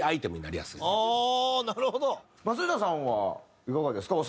松下さんはいかがですか？